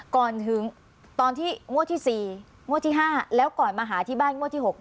ก่อนถึงตอนที่งวดที่๔งวดที่๕แล้วก่อนมาหาที่บ้านงวดที่๖